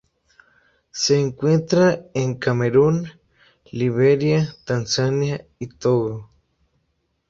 Se encuentra en Camerún, Liberia, Tanzania y Togo.